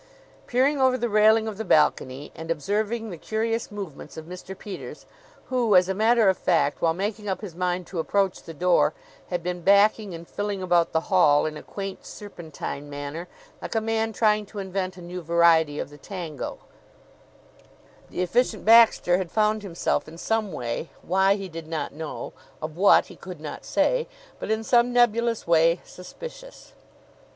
Peering over the railing of the balcony and observing the curious movements of Mr. Peters, who, as a matter of fact, while making up his mind to approach the door, had been backing and filling about the hall in a quaint serpentine manner like a man trying to invent a new variety of the tango, the Efficient Baxter had found himself in some way why, he did not know of what, he could not say but in some nebulous way, suspicious.